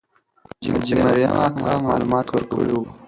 حاجي مریم اکا معلومات ورکړي وو.